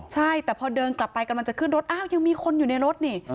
ใช่แต่พอเดินกลับไปกำลังจะขึ้นรถอ้าวยังมีคนอยู่ในรถนี่